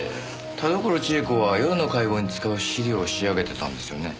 田所千枝子は夜の会合に使う資料を仕上げてたんですよね？